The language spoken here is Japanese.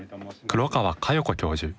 黒川雅代子教授。